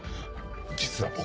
実は僕。